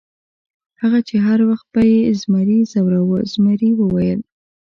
هغه چې هر وخت به یې زمري ځوراوه، زمري وویل.